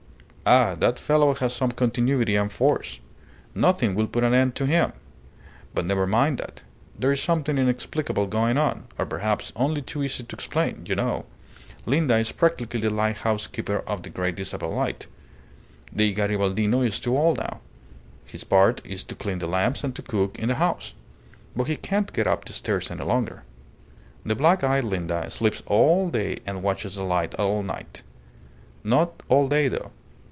Ah! that fellow has some continuity and force. Nothing will put an end to him. But never mind that. There's something inexplicable going on or perhaps only too easy to explain. You know, Linda is practically the lighthouse keeper of the Great Isabel light. The Garibaldino is too old now. His part is to clean the lamps and to cook in the house; but he can't get up the stairs any longer. The black eyed Linda sleeps all day and watches the light all night. Not all day, though.